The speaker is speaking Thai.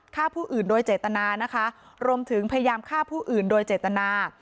ฆ่าผู้อื่นโดยเจตนานะคะรวมถึงพยายามฆ่าผู้อื่นโดยเจตนา